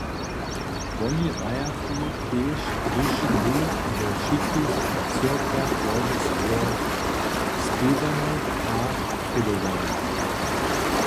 Woni hrajachu tež, hdyž bu we wšitkich cyrkwjach Bože słowo spěwane a prědowane.